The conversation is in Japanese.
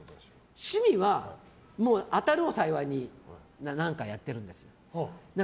趣味は中を幸いにやってるんですよ。